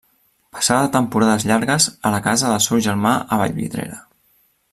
Passava temporades llargues a la casa que el seu germà a Vallvidrera.